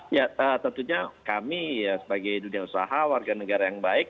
ya tentunya kami ya sebagai dunia usaha warga negara yang baik